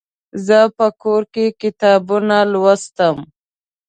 زه په کور کې کتابونه لوستم.